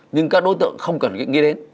nhưng các đối tượng không cần nghĩ đến